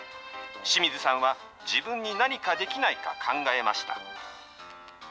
志水さんは、自分に何かできないか考えました。